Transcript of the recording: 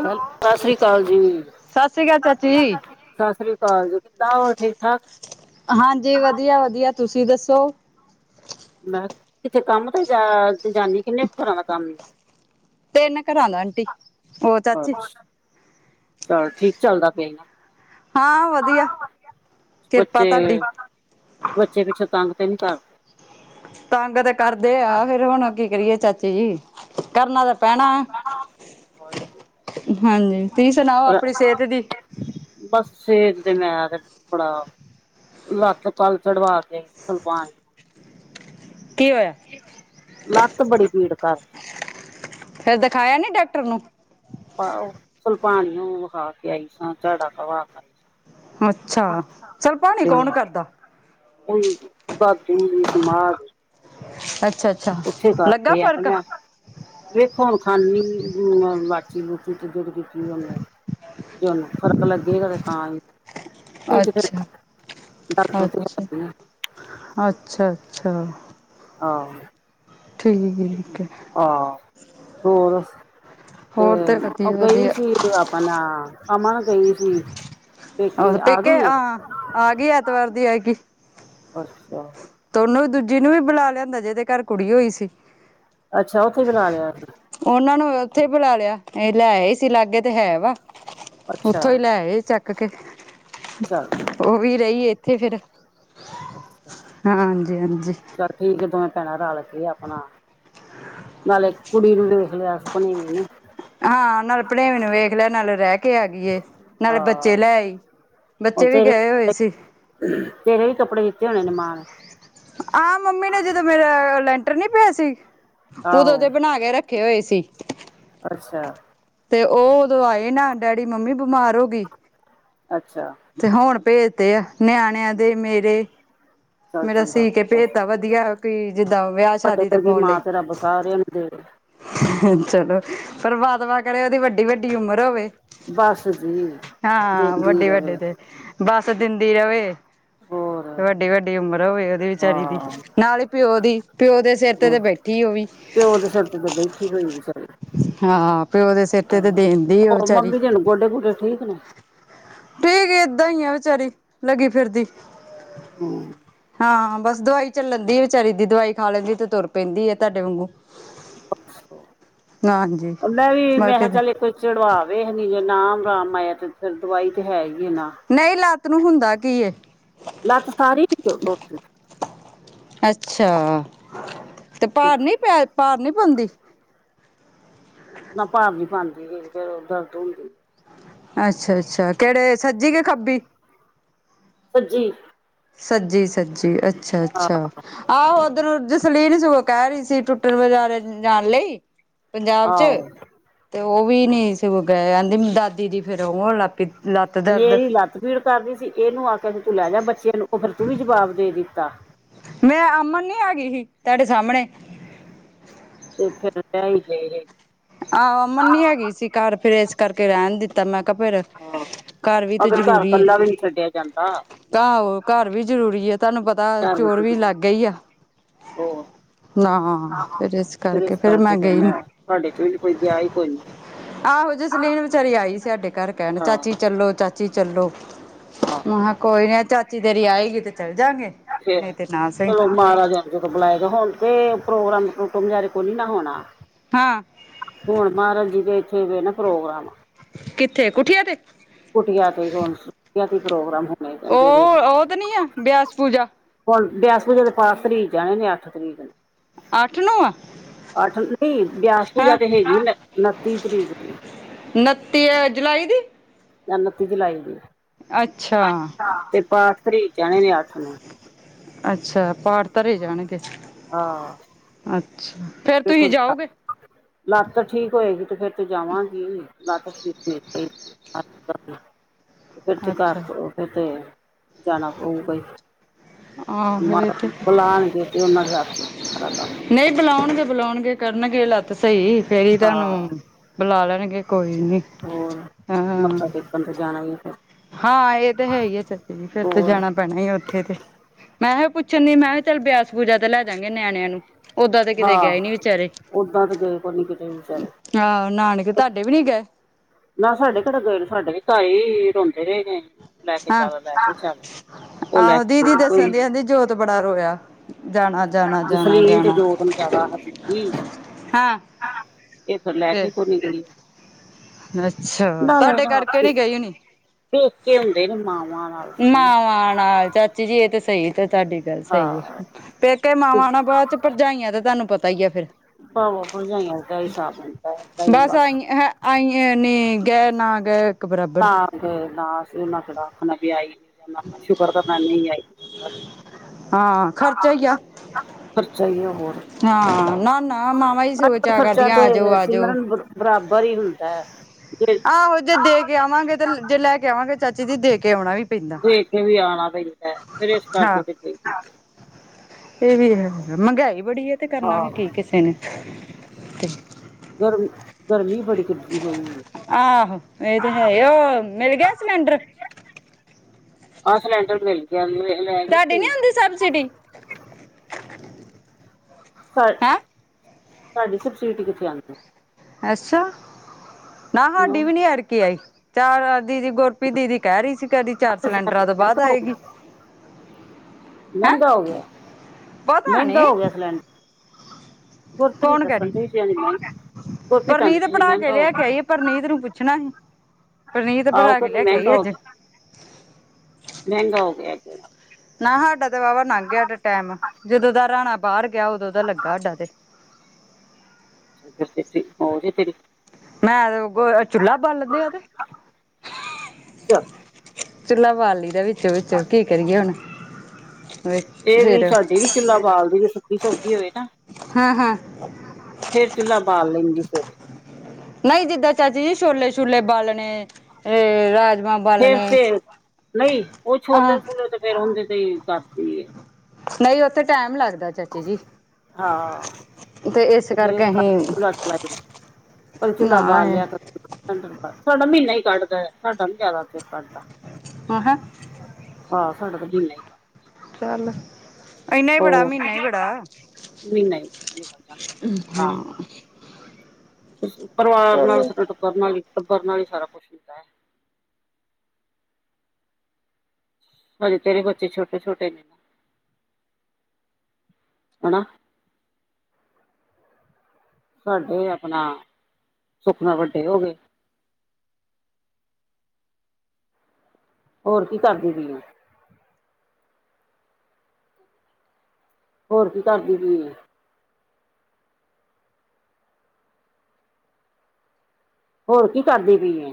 ਸਤਿ ਸ਼੍ਰੀ ਅਕਾਲ ਜੀ, ਸ੍ਰੀ ਅਕਾਲ ਸਤਿ ਚਾਚੀ ਸ਼੍ਰੀ ਜੀ। ਅਕਾਲ, ਸਤਿ ਸ੍ਰੀ ਅਕਾਲ। ਕ ਜੋ ਕਿੱਦਾਂ। ਹੋਰ ਠੀਕ-ਠਾਕ। ਹਾਂਜੀ। ਵਧੀਆ-ਵਧੀਆ ਤੁਸੀਂ ਦੱਸੋ। ਮਸ ਕਿਥੇ ਕੰਮ ਤੇ ਜਾ ਜਾਂਨੀ ਕਿੰਨੇ ਕੁ ਘਰ੍ਹਾਂ ਦਾ ਕੰਮ। ਤਿੰਨ ਘਰਾਂ ਦਾ ਆਂਟੀ ਹੋਰ ਚਾਚੀ। ਕਰ ਚਲ ਠੀਕ ਚੱਲਦਾ ਪਿਆ। ਹਾਂ ਵਧੀਆ ਕਿਰਪਾ ਤੁਹਾਡੀ ਬੱਚੇ-ਬੱਚੇ ਪਿੱਛੋਂ ਤੰਗ ਤੇ ਨੀ ਕਰਦੇ। ਤੰਗ ਤੇ ਕਰਦੇ ਆ ਫੇਰ ਹੁਣ ਕੀ ਕਰੀਏ ਚਾਚੀ ਜੀ, ਕਰਨਾ ਤਾਂ ਪੈਣਾ। ਤੁਸੀਂ ਹਾਂਜੀ। ਤੁਸੀਂ ਸੁਣਾਓ ਆਪਣੀ ਸਿਹਤ ਦੀ? ਬਸ ਸਵੇਰ ਦੇ ਮੈਂ ਤੇ ਬੜਾ। ਲੱਤ ਕਲ ਚੜਵਾ ਕੇ ਆਈ ਸੀ ਸੁਲਪਾਨ। ਕੀ ਹੋਇਆ? ਕੀ ਹੋਇਆ, ਲੱਤ ਬੜੀ ਪੀੜ ਕਰਦੀ। ਫੇਰ ਦਿਖਾਇਆ ਨੀ ਡਾਕਟਰ ਨੂੰ। ਹਾਂ, ਉਹ ਸੁਲਪਾਨ ਨੂੰ ਵਿਖਾ ਕੇ ਆਈ ਸਾਂ, ਝਾੜਾ ਕਰਵਾ ਕੇ। ਅੱਛਾ, ਚੱਲ ਪਾਣੀ ਕੌਣ ਕਰਦਾ? ਓਈ ਦਾਦੀ ਹੂਂਦੀ ਸਮਾਟ। ਅੱਛਾ-ਅੱਛਾ ਲੱਗਾ ਕਰਦੇ ਆ ਤੇ ਫ਼ਰਕ? ਮੈਂ ਵੇਖੋ ਹੁਨ ਖਾਨੀ ਪੀਂਦੀ ਆਂ ਲਾਚੀ -ਲੂਚੀ [unintelligible] ਜੇ ਓਨੂੰ ਫ਼ਰਕ ਲਗੇਗਾ ਤੇ ਤਾਂ ਈ। ਨਹੀਂ ਤੇ ਫਿਰ ਅੱਛਾ ਡਾਕਟਰ ਕੋਲ ਈ ਜਾਣੇ ਆ। ਅੱਛਾ-ਅੱਛਾ। ਆਹੋ। ਠੀਕ ਐ। ਆਹ, ਹੋਰ ਤੇ ਹੋਰ ਉਹ ਵਧੀਆ ਗਈ ਵਧੀਆ ਸੀ। ਫਿਰ ਅਪਣਾ ਅਮਣ ਗਈ ਸੀ ਆਹੋ ਆ ਪੇਕੇ ਗਈ ਏ ਹਾਂ ਆ ਗਈ, ਐਤਵਾਰ ਦੀ ਆ ਗਈ। ਅੱਛਾ। ਤੇ ਓਨੂੰ ਦੂਜੀ ਨੂੰ ਵੀ ਬੁਲਾ ਲਿਆਂਦਾ ਜਿਦੇ ਘਾਰ ਕੁੜੀ ਹੋਈ ਸੀ। ਅੱਛਾ ਉੱਥੇ ਹੀ ਕਰਾ ਲਿਆਇਆ ਸੀ। ਓਨਾਂ ਨੂੰ ਓਥੇ ਬੁਲਾ ਲਿਆ਼, ਏ ਲਿਆਏ ਸੀ ਲਾਗੇ ਤੇ ਹੈ ਵਾ। ਅੱਛਾ ਓਥੋਂ ਈ ਲੈ ਆਏ ਚੱਕਕੇ। ਚੱਲ ਓ ਵੀ ਰ‌ਈ ਏਥੇ ਫੇਰ। [unintelligible] ਹਾਂਜੀ-ਹਾਂਜੀ। ਠੀਕ‌ ਏ ਦੋਵੇਂ ਭੈਣਾਂ ਰੱਲ ਕੇ ਅਪਣਾ ਨਾਲੇ ਇੱਕ ਕੁੜੀ ਨੂੰ ਦੇਖ ਲੇਆ ਸ, ਭਨੇਵੀ ਨੂੰ। ਹਾਂ, ਨਾਲ ਭਣੇਵੇਂ ਨੂੰ ਵੇਖ ਲਿਆ, ਨਾਲ ਰਹਿ ਕੇ ਕੇ ਆ ਗਈ ਏ, ਨਾਲੇ ਬੱਚੇ ਆਹ ਲੈ ਆਈ, ਉਹ ਬੱਚੇ ਵੀ ਤੇਰੇ ਗਏ ਹੋਏ ਸੀ। ਤੇਰੇ ਵੀ ਕੱਪੜੇ ਦਿੱਤੇ ਹੋਣੇ ਨੇ ਮਾਂ ਨੇ। ਆ ਮੰਮੀ ਨੇ ਜਦੋਂ ਮੇਰਾ ਲੈਂਟਰ ਨੀ ਪੇਆ ਸੀ, ਉਦੋਂ ਆਹੋ ਦੇ ਬਨਾ ਕੇ ਰੱਖ ਰੱਖੇ ਕੇ ਹੋਏ ਸੀ। ਅੱਛਿਆ। ਤੇ ਉਹ ਉਦੋਂ ਆਏ ਨਾ ਡੈਡੀ, ਮੰਮੀ ਬਮਾਰ ਹੋ ਗੀ। ਅੱਛਾ ਤੇ ਹੁਣ ਭੇਜਤੇ ਆ, ਨਿਆਣਿਆਂ ਦੇ ਮੇਰੇ। ਚੱਲ ਮੇਰਾ ਚੰਗਾ ਸੀਅ ਕੇ ਭੇਜਤਾ ਤੁਹਾਡੇ ਵਧੀਆ, ਪੀ ਜਿੱਦਾਂ ਵਿਆਹ ਸ਼ਾਦੀ ਤੇ ਵਰਗੀ ਪਾਉਣ ਲਈ। ਮਾਂ ਤੇ ਰੱਬ ਸਾਰਿਆਂ ਨੂੰ ਦੇ ਚਲੋ ਪਰਮਾਤਮਾ ਕਰੇ ਉਹਦੀ ਵੱਡੀ-ਵੱਡੀ ਉਮਰ ਹੋਵੇ। ਬਾੱਸ ਜੀ, ਦੇਂਦੀ ਰਵੇ। ਬੱਸ ਦਿੰਦੀ ਰਵੇ, ਹੋਰ ਵੱਡੀ-ਵੱਡ ਡੀ ਉਮਰਾ ਹੋਏ ਓਦੀ ਵਚਾਰੀ ਦੀ ਹਾਂ ਨਾਲੇ ਪਓ ਦੀ, ਪਓ ਦੇ ਸੇਰ ਤੇ, ਤੇ ਬੈਠੀ ਏ ਓ ਵੀ। ਪਓ ਦੇ ਸੇਰ ਤੇ ਬੈਠੀ। ਹਜ਼ੂਰ ਸਾਹਿਬ। ਹਾਂ ਪਓ ਦੇ ਸੇਰ ਤੇ ਦੇਨ ਦੇ, ਓ ਵਚਾਰੀ। ਹੁਣ ਗੋਡੇ ਗੁਡੇ ਠੀਕ ਨੇ। ਠੀਕ ਏ, ਏਦਾਂ ਹੀ ਆ ਵਿਚਾਰੀ ਲੱਗੀ ਫਿਰਦੀ। ਹਮ ਹਾਂ, ਬਸ ਦਵਾਈ ਚੱਲਣ ਦੀ ਐ ਵਿਚਾਰੀ ਦੀ, ਦਵਾਈ ਖਾ ਲੈਂਦੀ ਐ ਤੇ ਤੁਰ ਪੈਂਦੀ ਐ ਤੁਹਾਡੇ ਵਾਂਗੂ। ਹਾਂਜੀ ਅੱਛਾ, ਮੈਂ ਵੀ ਮੈਂ ਕਿਹਾ ਚੱਲ ਇੱਕ ਵਾਰੀ ਚੜਵਾਵੇ ਹਲੀ ਜੇ ਨਾ ਆਰਾਮ ਆਇਆ, ਤੇ ਫਿਰ ਦਵਾਈ ਤੇ ਹੈ ਹੀ ਏ ਨਾ। ਨਈ, ਲਾੱਤ ਨੂੰ ਹੁੰਦਾ ਕੀ ਏ? ਲੱਤ ਸਾਰੀ ਵਿੱਚੋਂ ਟੁੱਟ ਗਈ ਅੱਛਾ, ਤੇ ਭਾਰ ਨੀ ਪਿਆ, ਭਾਰ ਨੀ ਪਾਂਦੀ। ਨਾ ਭਾਰ ਨੀ ਪਾਂਦੀ ਏ, ਫੇਰ ਓਧਰ ਦਰਦ ਹੁੰਦੀ ਏ। ਅੱਛਾ, ਅੱਛਾ ਕੇੜੇ ਸੱਜੀ ਕੇ ਖੱਬੀ? ਸੱਜੀ ਸੱਜੀ-ਸੱਜੀ, ਅੱਛਾ-ਅੱਛਾ। ਆਹ ਆਹੋ ਓਧਰ ਨੂੰ ਜਸਲੀਨ ਸਗੋਂ ਕਹਿ ਰਹੀ ਸੀ, ਟੁੱਟਣ ਬਜ਼ਾਰੇ ਜਾਣ ਲਈ ਪੰਜਾਬ ਚ, ਆਹੋ ਤੇ ਉਹ ਵੀ ਨੀ ਸਗੋਂ ਗਏ, ਕਹਿੰਦੀ ਦਾਦੀ ਦੀ ਫਿਰ ਉਹ ਹੋਣ ਲੱਗ ਕਿਸ ਲੱਤ ਦਰਦ ਮੇਰੀ ਲੱਤ ਪੀੜ ਕਰਦੀ ਸੀ, ਇਹਨੂੰ ਆਖਿਆ ਕਿ ਤੂੰ ਲੈ ਜਾ ਬੱਚਿਆਂ ਨੂੰ, ਉਹ ਫੇਰ ਤੂੰ ਵੀ ਜਵਾਬ ਦੇ ਦਿੱਤਾ। ਮੈਂ ਅਮਨ ਨੀ ਹੈਗੀ ਸੀ, ਤੁਹਾਡੇ ਸਾਹਮਣੇ। ਤੇ ਫਿਰ ਲੈ ਈ ਗ‌ਏ ਹੈਗ ਆਹੋ ਅਮਨ ਨੀ ਹੈਗੀ ਸੀ ਘਰ, ਫੇਰ ਏਸ ਕਰਕੇ ਰਹਿਣ ਦਿੱਤਾ, ਮੈਂ ਕਿਆ ਫੇਰ ਹਾਂ, ਅਗਰ ਘਾਰ ਕੱਲਾ ਵੀ ਨੀ ਛੱਡੇਆ ਜਾਂਦਾ। ਆਹੋ ਘਰ ਵੀ ਜ਼ਰੂਰੀ ਆ, ਤੁਹਾਨੂੰ ਪਤਾ ਘਰ ਚੋਰ ਵਿੱਚ ਵੀ ਜ ਲਾਗੇ ਹੀ ਆ। ਉਹ ਨਾ ਫੇਰ ਇਸ ਕਰਕੇ, ਫੇਰ ਮੈਂ ਗਈ ਨੀ। ਤਾਡੇ ਚ ਵੀ ਕੋਈ ਗਿਆ ਹੀ ਕੋਈ ਨੀ ਆਹੋ ਜਸਲੀਨ ਵਿਚਾਰੀ ਆਈ ਸੀ ਸਾਡੇ ਘਰ ਕਹਿਣ, ਹਾਂ ਚਾਚੀ ਚੱਲੋ ਚਾਚੀ ਚੀ ਚੱਲੋ ਹਾਂ ਮਹਾਂ ਕੋਈ ਨੀ ਚਾਚੀ ਤੇਰੀ ਆਏਗੀ ਤੇ ਚੱਲ ਜਾਂਗੇ, ਨਹੀਂ ਤੇ ਨਾ ਸਹੀ। ਮਹਾਰਾਜਾ ਜਦੋਂ ਬੁਲਾਏਗਾ ਹੁਣ ਤੇ ਪ੍ਰੋਗਰਾਮ ਟੂਮ-ਟੂਮ ਗੈਰ ਕੋਨੀ ਨਾ ਹੋਣਾ। ਹਾਂ। ਹੁਣ ਮਹਾਰਾਜ ਜੀ ਦੇ ਏਥੇ ਵੀ ਏ ਨਾ ਪ੍ਰੋਗਰਾਮ। ਕਿੱਥੇ ਕੁਠੀਆ ਤੇ ਕੁਟੀਆਂ ਤੇ, ਹੁਣ ਕੁਟੀਆਂ ਤੇ ਪ੍ਰੋਗਰਾਮ ਹੋਣੇ ਜਿਹੜੇ ਹੁਣ, ਉਹ ਉਹ ਤੇ ਨੀ ਆ ਬਿਆਸ ਪੂਜਾ ਬਿਆਸ ਪੂਜੇ ਦੇ ਪਾਠ ਧਰੀਚਿਆ ਨੇ, ਐਣੈ ਨੇ ਅੱਠ ਤਰੀਕ। ਅੱਠ ਨੂੰ ਐਂ। ਆੱਠ ਨਈ ਬਿਆਸ ਪੂਜਾ ਤੇ ਹੈਗੀ ਉਨ ਉਨੱਤੀ ਤਰੀਕ ਦੀ। ਤੀਏ ਜੁਲਾਈ ਦੀ ਆਹ ਉਨੱਤੀ ਜੁਲਾਈ ਦੀ, ਅੱਛਾ ਤੇ ਪਾਠ ਧਰੀ ਜਾਣੇ ਨੇ ਅੱਠ ਨੂੰ। ਅੱਛਾ, ਪਾਠ ਧਰੇ ਜਾਨਗੇ। ਹਾਂ ਅੱਛਾ, ਫੇਰ ਤੁਸੀਂ ਦੇਖੋ ਜਾਓਗੇ। ਲੱਤ ਠੀਕ ਹੋਏਗੀ ਤੇ ਫੇਰ ਤੇ ਜਾਵਾਂਗੀ, ਲੱਤ ਠੀਕ ਹੋਏ ਤੇ। ਅੱਠ ਵਜੇ, ਫਿਰ ਤੇ ਘਰ ਅੱਛਾ ਤੋਂ ਫਿਰ ਤੇ ਜਾਣਾ ਪਊਗਾ ਈ। ਨਾ ਆਹੋ ਇਹ ਤੇ ਬਲਾਨਗੇ ਤੇ ਓਨਾਂ ਦੇ ਹਾੱਥ ਸਾਰਾ ਕਾੰਮ ਨਈ ਬੁਲਾਉਣਗੇ-ਬੁਲਾਉਣਗੇ ਕਰਨਗੇ ਲੱਤ ਸ‌ਈ, ਫੇਰ ਈ ਤਾਨੂੰ ਹਾਂ ਬੁਲਾ ਲੈਣਗੇ, ਕੋਈ ਨੀ। ਹੋਰ, ਹਾਂ ਮੱਥਾ ਟੇਕਨ ਤੇ ਜਾਣਾ ਈ ਏ ਫੇਰ। ਹਾਂ ਇਹ ਤੇ ਹੈ ਹੀ ਆ ਫਿਰ, ਫੇਰ ਤੇ ਹੋਰ ਜਾਣਾ। ਬਣਨੇ ਉੱਥੇ ਤੇ, ਮੈਂ ਐਹੀ ਪੁੱਛਣ ਦੀ, ਮੈਂ ਵੀ ਚੱਲ, ਬਿਆਸ ਪੂਜਾ ਤੇ ਲੈ ਜਾਵਾਂਗੇ ਨਿਆਣਿਆਂ ਨੂੰ। ਓਦਾਂ ਤੇ ਕਿਤੇ ਹਾਂ, ਗਏ ਨੀ ਵਿਚਾਰੇ ਓਦਾਂ ਤੇ ਗਏ ਕੋਈ ਨੀ ਕਿਤੇ ਵਿਚਾਰੇ। ਆਹੋ, ਨਾਨਕੇ ਤੁਹਾਡੇ ਵੀ ਨੀ ਗਏ। ਨਾ ਸਾਡੇ ਕੇੜਾ ਗਏ ਨੇ, ਸਾਡੇ ਵੀ ਤੇ ਏ ਈ ਰੋਂਦੇ ਰ‌ਏ ਨੇ। ਮੈਂ ਕੇ ਹਾਂ ਚੱਲ, ਲੈ ਕੇ ਚੱਲ, ਓ ਲੈ ਕੇ ਗਈ ਕੋਈ ਓ ਬੜਾ ਰੋਇਆ, ਜਾਣਾ। ਜਾਣਾ ਜਾਣਾ ਜਸਲੀਨ ਤੇ ਜਾਣਾ ਜੋਤ ਨੂੰ ਜ਼ਿਆਦਾ ਹਤੀ। ਹਾਂ ਏ ਫੇਰ ਲੈ ਕੇ ਕੋਨੀ ਗਈ। ਅੱਛਾ, ਨਾਲੇ ਤੁਹਾਡੇ ਨਾ ਕਰਕੇ ਨੀ ਗਈ ਹੋਣੀ। ਪੇਕੇ ਹੁੰਦੇ ਨੇ ਮਾਵਾਂ ਨਾਲ। ਮਾਵਾਂ ਨਾਲ, ਚਾਚੀ ਜੀ ਏ ਤੇ ਸ‌ਈ ਤੇ ਤਾਡੀ। ਗੱਲ ਸਹੀ ਏ, ਹਾਂ ਪੇਕੇ ਮਾਵਾਂ ਨਾਲ, ਬਾਅਦ 'ਚ ਭਰਜਾਈਆਂ ਤੇ ਤੁਹਾਨੂੰ ਪਤਾ ਹੀ ਆ ਫੇਰ। ਭਰਾਵਾਂ ਭਰਜਾਈਆ ਦਾ ਈ ਸਾਥ ਹੁੰਦਾ ਹੈ, ਬਸ। ਆਈਆਂ ਨੇ, ਗਏ ਨਾ, ਗਏ ਬਰਾਬਰ ਤਾਂ ਨਾ, ਸੀ ਉਹਨਾਂ ਕਿਹੜਾ ਆਖਿਆ ਕੀ ਆਈ ਸ਼ੁਕਰ ਕਰ, ਮੈਂ ਨਹੀਂ ਆਈ। ਹਾਂ ਖਰਚਾ ਹੀ ਆ ਖਰਚਾ ਹੀ, ਆ! ਹੋਰ ਹਾਂ, ਨਾ ਨਾ ਮਾਵਾਂ ਹੀ ਸੋ ਅੱਜ ਕੱਲ ਚਾਅ ਖਰਚਾ ਕਰਦੀਆਂ, ਆਜੋ- ਤੇ ਆਜੋ। ਸਿਮਰਨ ਬਰਾਬਰ ਹੀ ਹੁੰਦਾ ਹੈ। ਦੇ ਆਹੋ ਜੇ, ਦੇ ਕੇ ਆਵਾਂਗੇ ਤੇ, ਜੇ ਲੈ ਕੇ ਆਵਾਂਗੇ, ਚਾਚੀ ਜੀ, ਦੇ ਕੇ ਆਉਣਾ ਵੀ ਪੈਂਦਾ! ਪੇਕੇ ਵੀ ਆਉਣਾ ਪੈਂਦਾ, ਫਿਰ ਇਸ ਕਰਕੇ ਹਾਂ। ਨਿਕਲੀ। ਇਹ ਵੀ ਹੈ, ਮਹਿੰਗਾਈ ਬੜੀ ਹੈ, ਤੇ ਕਰਨਾ ਵੀ, ਹਾਂ ਕੀ ਕਿਸੇ ਨੇ ਗਰਮੀ, ਗਰਮੀ ਬੜੀ ਕੱਢੀ ਹੋਈ ਹੈ। ਆਹੋ ਇਹ ਤੇ ਹੈ, ਉਹ ਮਿਲ ਗਿਆ ਸਿਲੰਡਰ। ਆਹ ਸਿਲੰਡਰ ਮਿਲ ਗਿਆ, ਲੈ ਗਈ ਤੁਹਾਡੀ ਸੀ ਨੀ ਆਉਂਦੀ ਸਬਸਿਡੀ। ਸਾ, ਹੈਂ ਸਾਡੀ ਸਬਸਿਡੀ ਕਿੱਥੇ ਆਉਂਦੀ। ਅੱਛਾ, ਨਾ ਹਾਡੀ ਵੀ ਨੀ ਐਤਕੀ ਆਈ। ਚਾਰ ਦੀਦੀ, ਗੁਰਪਰੀਤ ਦੀਦੀ ਕਹਿ ਰਹੀ ਸੀ ਕਦੀ ਚਾਰ ਸਿਲੰਡਰਾਂ ਤੋਂ, ਬਾਅਦ ਮਹਿੰਗਾ ਹੋ ਆਏਗੀ! ਗਿਆ ਹੈਂ ਮਹਿੰਗਾ ਹੋ ਗਿਆ, ਪਤਾ ਨੀ ਮਹਿੰਗਾ ਹੋ ਗਿਆ, ਸਿਲੰਡਰ ਗੁਰਪਰੀਤ ਕੌਣ ਕਹਿ ਦੱਸਣ ਰਹੀ ਦੀ ਅੱਜ ਮਹਿੰ, ਗੁਰਪਰੀਤ ਤਾਂ ਪਰਨੀਤ ਪੜ੍ਹਾ ਕੇ ਮਹਿੰਗਾ ਲਿਆ ਕੇ ਹੋਗਾ ਆਈਏ ਪਰਨੀਤ ਨੂੰ, ਪੁੱਛਣਾ ਸੀ। ਪਰਨੀਤ ਗਿਆ ਆਹੋ ਭਰਾ ਕੇ ਕਹਿੰਦੀ ਲੈ ਕੇ ਆਈ! ਮਹਿੰਗਾ ਹੋ ਅੱਜ ਗਿਆ ਮਹਿੰਗਾ ਹੋ ਗਿਆ ਨਾ ਸਾਡਾ ਤੇ, ਵਾਹਵਾ ਲੰਘ ਗਿਆ ਟਾਈਮ, ਜਦੋਂ ਦਾ ਰਾਣਾ ਬਾਹਰ ਗਿਆ! ਉਦੋਂ ਦਾ ਲੱਗਾ ਸਾਡੇ ਉਹ ਸ [unintelligible] ਮੈਂ ਤੇ ਚੁੱਲ੍ਹਾ ਬਾਲਣ ਦੇ ਆ ਤੇ। ਚੱਲ [unintelligible] ਚੁਲਾ ਬਾਲ ਲਈ ਦਾ ਵਿੱਚੋ -ਵਿੱਚੋ, ਕੀ ਕਰੀਏ ਹੁਣ। ਇਹ ਵੀ ਫਿਰ ਸਾਡੀ ਵੀ ਚੁੱਲਾ ਬਾਲਦੀ, ਜੇ ਸੁੱਕੀ ਸਬਜ਼ੀ ਹੋਵੇ ਨਾ। ਹਾਂ ਹਾਂ ਫੇਰ ਚੁੱਲ੍ਹਾ, ਬਾਲ ਲੈਂਦੀ ਫਿਰ ਨਹੀਂ ਜਿੱਦਾਂ ਚਾਚੀ ਜੀ ਛੋਲੇ- ਛੂਲੇ ਬਾਲਣੇ, ਰਾਜਮਾਂਹ। ਫੇਰ ਤੇ, ਨਹੀਂ ਉਹ ਆਹ ਛੋਲੇ- ਛੂਲੇ ਤੇ ਫੇਰ ਉਹਦੇ ਤੇ ਹੀ ਕਰਦੀ ਏ। ਨਹੀਂ ਉਥੇ ਟਾਈਮ, ਲੱਗਦਾ ਚਾਚੀ ਜੀ। ਹਾਂ। ਇਸ ਤੇ ਫਿਰ ਕਰਕੇ ਅਸੀਂ ਚਲਾ ਪਰ ਨਾ ਚੂੱਲਾ ਬਾਲ ਲਿਆ ਕਰੋ। ਸਾਡਾ ਮਹੀਨਾ ਈ ਕੱਢਦਾ, ਸਾਡਾ ਨੀ ਜ਼ਿਆਦਾ ਚਿਰ ਕੱਢਦਾ ਆਹਾ। ਆਹ, ਸਾਡਾ ਤਾਂ ਮਹੀਨਾ ਕਢਦਾ ਚੱਲ ਇੰਨਾ ਬੜਾ, ਹੋਰ ਮਹੀਨਾ ਹੀ ਬੜਾ ਮਹੀਨਾ ਹੀ ਨਿਕਲ ਜਾਂਦਾ ਆਰਾਮ ਪਰਿਵਾਰ ਨਾਲ ਚਲੋ ਸਾਡਾ ਟੱਬਰ ਨਾਲ ਹੀ ਟੱਬਰ ਨਾਲ ਹੀ ਸਾਰਾ ਕੁੱਛ ਹੁੰਦਾ ਹੈ। ਹਜੇ ਤੇਰੇ ਬੱਚੇ ਛੋਟੇ-ਛੋਟੇ ਨੇ ਨਾ, ਹਨਾ। ਸਾਡੇ ਆਪਣਾ, ਸੁਖ ਨਾਲ ਵੱਡੇ ਹੋ ਗਏ। ਹੋਰ ਕੀ ਕਰਦੀ ਪਈ ਐਂ। ਹੋਰ ਕੀ ਕਰਦੀ ਪਈ ਏਂ? ਹੋਰ ਕੀ ਕਰਦੀ ਪਈ ਏਂ?